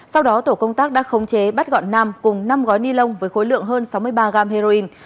sau đó tổ công tác đã khống chế bắt gọn nam cùng năm gói ni lông với khối lượng hơn sáu mươi ba gram heroin